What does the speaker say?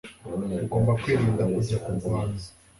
Ugomba kwirinda kujya kurwana